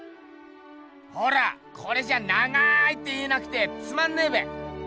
ほらこれじゃあ長いって言えなくてつまんねえべ。